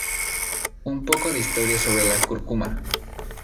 Un poco de historia sobre la cúrcuma.